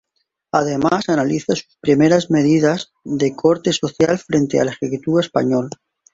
Además analiza sus primeras medidas de corte social al frente del ejecutivo español.